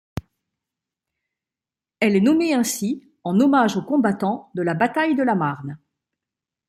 Elle est nommée ainsi en hommage aux combattants de la Bataille de la Marne.